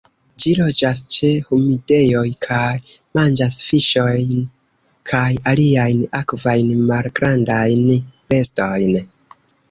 Ĝi loĝas ĉe humidejoj kaj manĝas fiŝojn kaj aliajn akvajn malgrandajn bestojn.